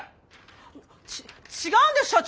違うんです社長！